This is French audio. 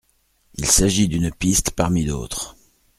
Il s’agit d’une piste parmi d’autres.